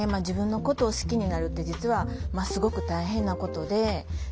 自分のことを好きになるって実はすごく大変なことで。